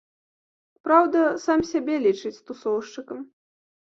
Праўда, сам сябе лічыць тусоўшчыкам.